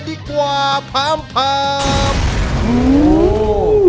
แต่มันก็กลุ่มหาอยู่